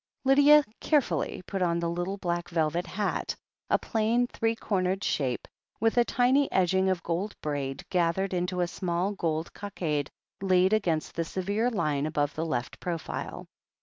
Lydia carefully put on the little black velvet hat — a, plain three cornered shape, with a tiny edging of gold braid gathered into a small gold cockade laid against the severe line above the left profile.